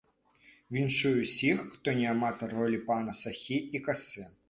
Віншую ўсіх, хто не аматар ролі пана сахі і касы!